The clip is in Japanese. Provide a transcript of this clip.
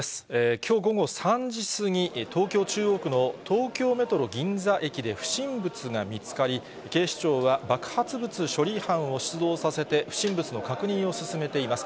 きょう午後３時過ぎ、東京・中央区の東京メトロ銀座駅で不審物が見つかり、警視庁は爆発物処理班を出動させて、不審物の確認を進めています。